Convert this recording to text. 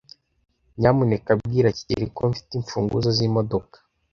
Nyamuneka bwira kigeli ko mfite imfunguzo zimodoka.